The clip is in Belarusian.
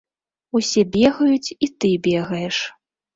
Усе бегаюць і ты бегаеш.